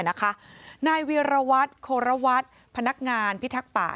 นายเวียรวัตรโครวัตรพนักงานพิทักษ์ป่า